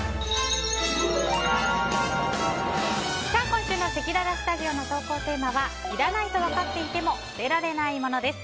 今週のせきららスタジオの投稿テーマはいらないと分かっていても捨てられない物です。